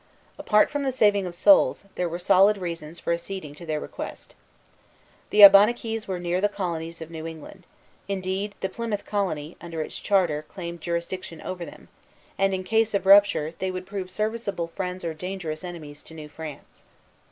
Apart from the saving of souls, there were solid reasons for acceding to their request. The Abenaquis were near the colonies of New England, indeed, the Plymouth colony, under its charter, claimed jurisdiction over them; and in case of rupture, they would prove serviceable friends or dangerous enemies to New France.